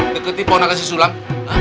deketin pauna kasih sulang